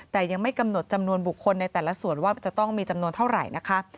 แต่ยังไม่กำหนดจำนวนบุคคลในแต่ละส่วนว่าจะต้องมีจำนวนเท่าไหร่นะคะ